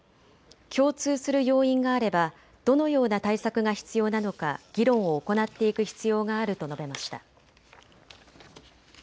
共通する要因があればどのような対策が必要なのか議論を行っていく必要があると述べました。